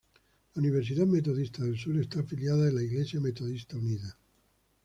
La Universidad Metodista del Sur está afiliada a la Iglesia Metodista Unida.